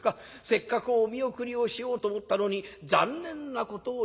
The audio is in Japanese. せっかくお見送りをしようと思ったのに残念なことをいたしました』